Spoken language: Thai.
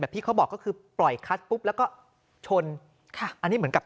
ที่เขาบอกก็คือปล่อยคัสปุ๊บแล้วก็ชนค่ะอันนี้เหมือนกับ